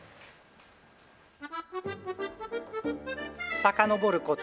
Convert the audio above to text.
さかのぼること